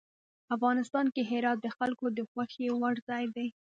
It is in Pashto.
افغانستان کې هرات د خلکو د خوښې وړ ځای دی.